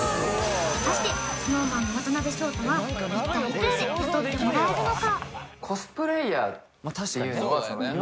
果たしてＳｎｏｗＭａｎの渡辺翔太は一体いくらで雇ってもらえるのか？